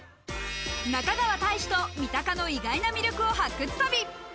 中川大志と三鷹の意外な魅力を発掘旅。